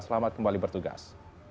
selamat kembali bertugas